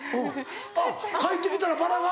あっ帰ってきたらバラが？